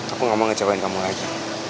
aku nggak mau ngecewain kamu lagi